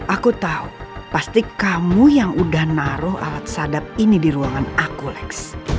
aku tahu pasti kamu yang udah naruh alat sadap ini di ruangan akulex